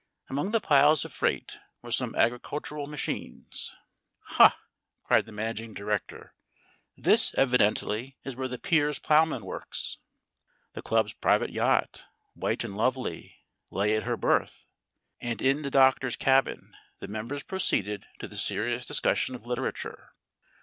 Among the piles of freight were some agricultural machines. "Ha," cried the managing director, "this, evidently, is where the Piers Plowman works!" The club's private yacht, white and lovely, lay at her berth, and in the Doctor's cabin the members proceeded to the serious discussion of literature.